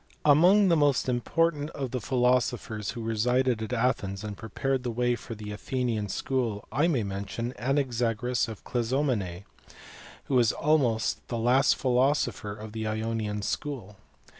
Amongst the most important of the philo sophers who resided at Athens and prepared the way for the Athenian school I may mention Anaxagoras of Clazomenae, who was almost the last philosopher of the Ionian school.